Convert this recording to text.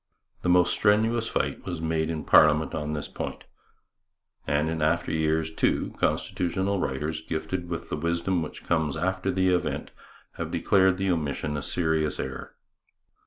The most strenuous fight was made in parliament on this point, and in after years, too, constitutional writers, gifted with the wisdom which comes after the event, have declared the omission a serious error.